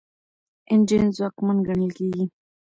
انجن ځواکمن ګڼل کیږي.